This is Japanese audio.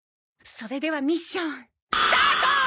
それではミッションスタート！